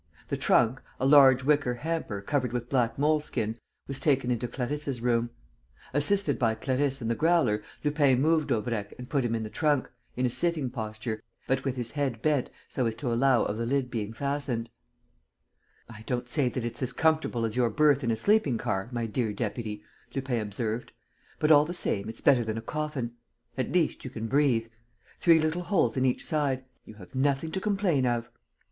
The trunk, a large wicker hamper covered with black moleskin, was taken into Clarisse's room. Assisted by Clarisse and the Growler, Lupin moved Daubrecq and put him in the trunk, in a sitting posture, but with his head bent so as to allow of the lid being fastened: "I don't say that it's as comfortable as your berth in a sleeping car, my dear deputy," Lupin observed. "But, all the same, it's better than a coffin. At least, you can breathe. Three little holes in each side. You have nothing to complain of!"